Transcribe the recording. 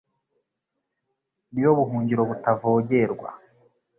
ni yo buhungiro butavogerwa